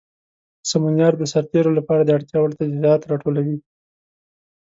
سمونیار د سرتیرو لپاره د اړتیا وړ تجهیزات راټولوي.